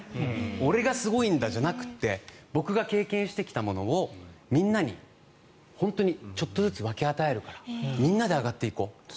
俺がすごいんだじゃなくて僕が経験してきたものをみんなにちょっとずつ分け与えるからみんなで上がっていこう。